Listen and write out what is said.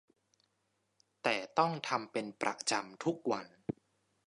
แต่ต้องทำเป็นประจำทุกวัน